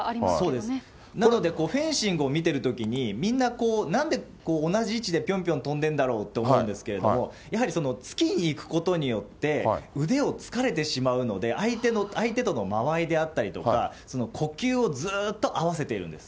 なので、フェンシングを見てるときに、みんな、なんで同じ位置でぴょんぴょん跳んでるんだろうと思うんですけれども、やはり突きにいくことによって、腕を突かれてしまうので、相手との間合いであったりとか、呼吸をずっと合わせてるんです。